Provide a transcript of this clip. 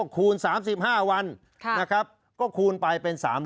คูณ๓๕วันนะครับก็คูณไปเป็น๓๐๐